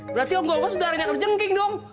berarti ongkong ongkong sudah renyah ke jengking dong